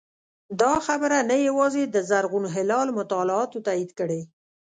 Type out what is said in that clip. دا خبره نه یوازې د زرغون هلال مطالعاتو تایید کړې